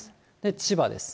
千葉です。